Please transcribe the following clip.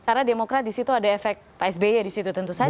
karena demokrat disitu ada efek pak sby disitu tentu saja